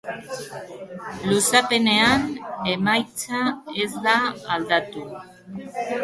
Luzapenean, emaitza ez da aldatu.